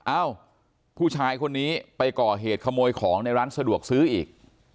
เอ้าผู้ชายคนนี้ไปก่อเหตุขโมยของในร้านสะดวกซื้ออีก